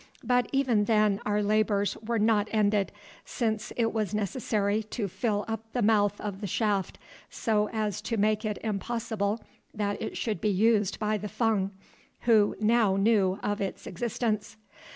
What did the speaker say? But even then our labours were not ended, since it was necessary to fill up the mouth of the shaft so as to make it impossible that it should be used by the Fung, who now knew of its existence.